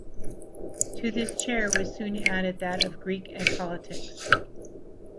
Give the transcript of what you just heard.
To this chair was soon added that of Greek and politics.